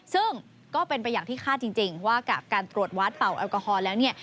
ซึ่งก็เป็นไปอย่างที่คาดจริงว่ากับการตรวจวัดเป่าแอลกอฮอลแล้วเนี่ย